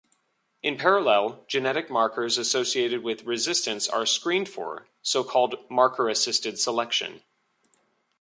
In parallel, genetic markers associated with resistance are screened for, so called marker-assisted selection.